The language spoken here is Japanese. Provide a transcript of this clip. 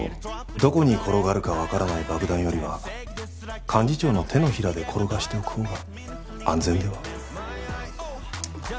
どこに転がるかわからない爆弾よりは幹事長の手のひらで転がしておくほうが安全では？